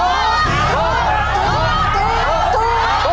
ตัว